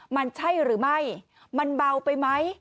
มันใช่หรือไม่มันเบาไปไหม